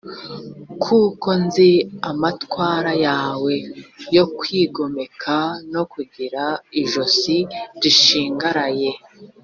kuko nzi amatwara yawe yo kwigomeka no kugira ijosi rishingaraye.